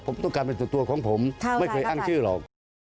ผมต้องการเป็นส่วนตัวของผมไม่เคยอ้างชื่อหรอก